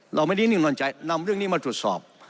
เราไม่ได้นิ่งนอนใจนำเรื่องนี้มาตรวจสอบ